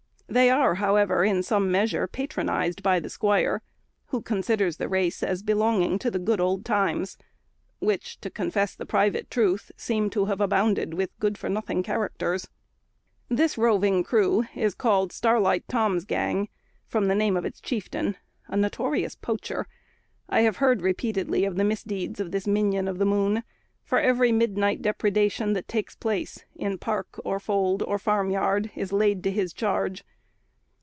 They are, however, in some measure, patronised by the squire, who considers the race as belonging to the good old times; which, to confess the private truth, seem to have abounded with good for nothing characters. This roving crew is called "Starlight Tom's Gang," from the name of its chieftain, a notorious poacher. I have heard repeatedly of the misdeeds of this "minion of the moon;" for every midnight depredation that takes place in park, or fold, or farm yard, is laid to his charge.